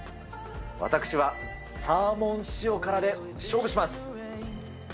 私はサーモン塩辛で勝負します。